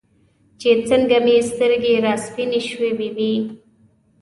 چې څنګه مې سترګې راسپینې شوې وې.